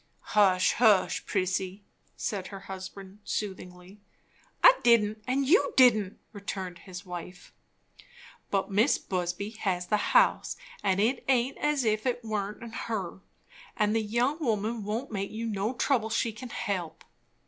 "Hush, hush, Prissy!" said her husband soothingly. "I didn't and you didn't," returned his wife. "But Mis' Busby has the house, and it aint as if it warn't her'n; and the young woman won't make you no trouble she can help."